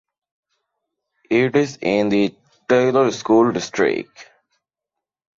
It is in the Taylor School District.